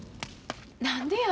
何でや？